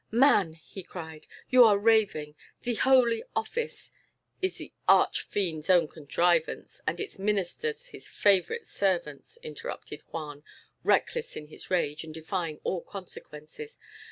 "Man!" he cried, "you are raving; the Holy Office " "Is the arch fiend's own contrivance, and its ministers his favourite servants," interrupted Juan, reckless in his rage, and defying all consequences.